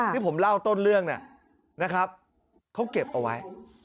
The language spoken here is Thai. ที่ผมเล่าต้นเรื่องเนี่ยนะครับเขาเก็บเอาไว้